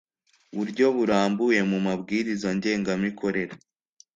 buryo burambuye mu mabwiriza ngengamikorere